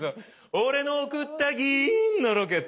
「俺の送ったギイーンのロケット」